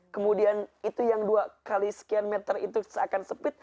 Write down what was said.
kemudian itu yang dua kali sekian meter itu sakit